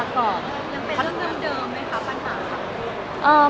ยังเป็นเรื่องเดิมไหมคะปัญหานี้